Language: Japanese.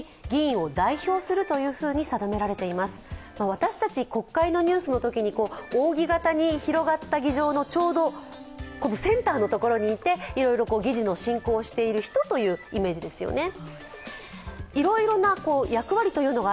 私たち、国会のニュースのときに扇形に広がった議場のちょうどセンターのところにいていろいろ議事の進行をしている人というイメージですよね。